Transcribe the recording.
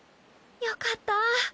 よかったぁ。